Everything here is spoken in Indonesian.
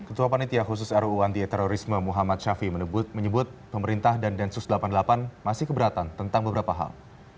ketua panitia khusus ruu anti terorisme muhammad syafie menyebut pemerintah dan densus delapan puluh delapan masih keberatan tentang beberapa hal